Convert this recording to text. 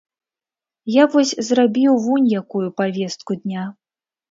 Я вось зрабіў вунь якую павестку дня.